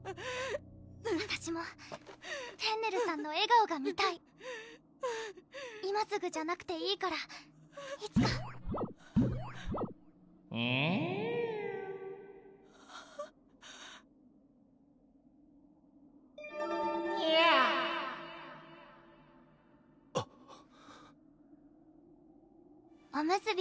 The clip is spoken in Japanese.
あたしもフェンネルさんの笑顔が見たい今すぐじゃなくていいからいつかニャーにゃーおむすび